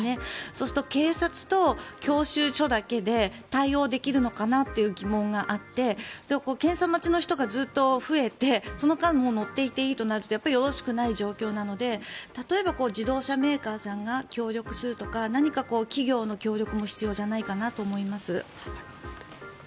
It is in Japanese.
そうすると警察と教習所だけで対応できるのかなという疑問があって検査待ちの人がずっと増えてその間も乗っていていいとなるとやっぱりよろしくない状況なので例えば自動車メーカーさんなどが協力するとか、何か企業の協力も必要じゃないかなと思います。